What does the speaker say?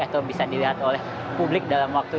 atau bisa dilihat oleh publik dalam waktu